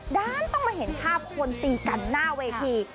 ด้านต้องมาเห็นภาพคนตีกันหน้าเวที